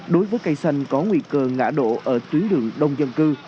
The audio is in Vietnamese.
đối với cây xanh có nguy cơ ngã đổ ở tuyến đường đông dân cư